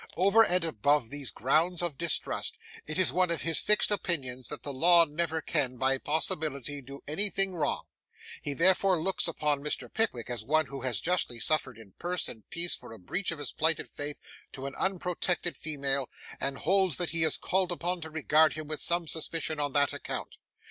Over and above these grounds of distrust, it is one of his fixed opinions, that the law never can by possibility do anything wrong; he therefore looks upon Mr. Pickwick as one who has justly suffered in purse and peace for a breach of his plighted faith to an unprotected female, and holds that he is called upon to regard him with some suspicion on that account.